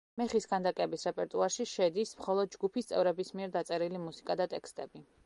მეხის ქანდაკების რეპერტუარში შედის მხოლოდ ჯგუფის წევრების მიერ დაწერილი მუსიკა და ტექსტები.